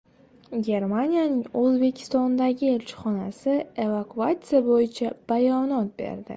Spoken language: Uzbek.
Germaniyaning O‘zbekistondagi elchixonasi evakuatsiya bo‘yicha bayonot berdi